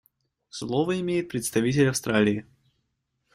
Слово имеет представитель Австралии.